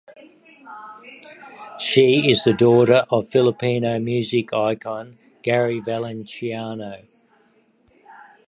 She is the daughter of Filipino music icon Gary Valenciano.